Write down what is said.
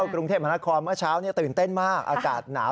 กรุงเทพมหานครเมื่อเช้าตื่นเต้นมากอากาศหนาว